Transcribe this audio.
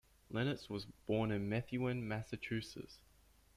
Lennertz was born in Methuen, Massachusetts.